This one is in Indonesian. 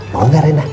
mau gak rena